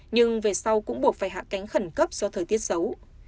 nhưng về sau cũng buộc phải hạ cánh khẩn cấp do thời tiết xấu